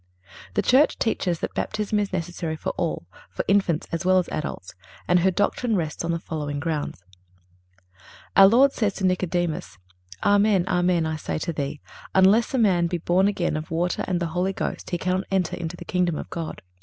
The Church teaches that Baptism is necessary for all, for infants as well as adults, and her doctrine rests on the following grounds: Our Lord says to Nicodemus: "Amen, amen, I say to thee, unless a man be born again of water and the Holy Ghost he cannot enter into the kingdom of God."